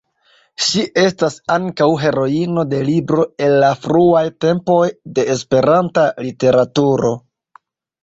Ŝi estas ankaŭ heroino de libro el la fruaj tempoj de Esperanta literaturo.